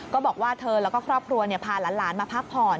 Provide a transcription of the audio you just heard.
บอกว่าเธอแล้วก็ครอบครัวพาหลานมาพักผ่อน